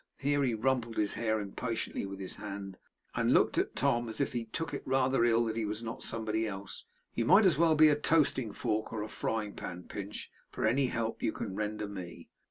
Here he rumpled his hair impatiently with his hand, and looked at Tom as if he took it rather ill that he was not somebody else 'you might as well be a toasting fork or a frying pan, Pinch, for any help you can render me.